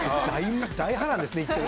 大波乱ですね。